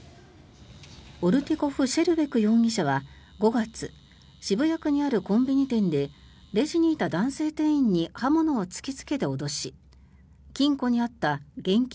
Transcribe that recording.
オルティコフ・シェルベク容疑者は５月、渋谷区にあるコンビニ店でレジにいた男性店員に刃物を突きつけて脅し金庫にあった現金